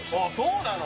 そうなの？